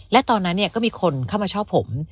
และตอนนั้นก็มีคนเข้ามาชอบผม